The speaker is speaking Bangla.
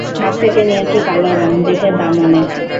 হাত থেকে নিয়েছি কালো রং দেখে, দাম অনেক।